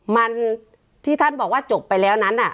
มันที่ท่านบอกว่าจบไปแล้วนั้น